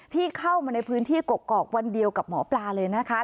ที่เข้ามาในพื้นที่กกอกวันเดียวกับหมอปลาเลยนะคะ